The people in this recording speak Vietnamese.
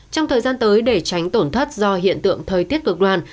trong thời gian tới để tránh tổn thất do hiện tượng thời tiết cực đoan